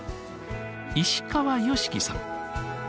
石川善樹さん。